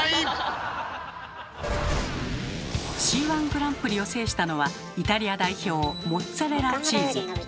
「Ｃ−１グランプリ」を制したのはイタリア代表モッツァレラチーズ。